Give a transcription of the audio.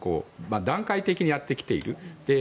段階的にやってきている。